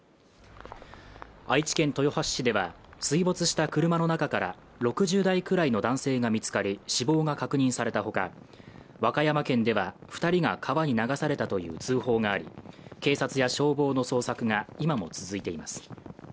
愛知県豊橋市では、水没した車の中から６０代くらいの男性が見つかり、死亡が確認された他、和歌山県では２人が川に流されたという通報があり、警察や消防の捜索が今も続いています。